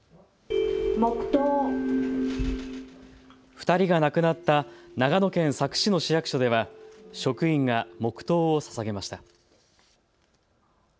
２人が亡くなった長野県佐久市の市役所では職員が黙とうをささげました。